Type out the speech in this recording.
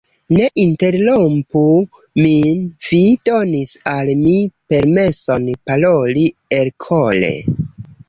Ne interrompu min; vi donis al mi permeson paroli elkore.